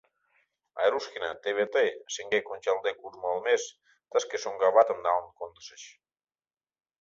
Айрушкина, теве тый, шеҥгек ончалде куржмо олмеш, тышке шоҥго аватым налын кондышыч.